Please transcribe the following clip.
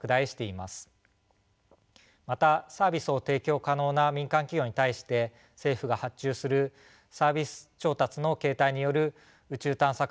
またサービスを提供可能な民間企業に対して政府が発注するサービス調達の形態による宇宙探査活動も活発化しています。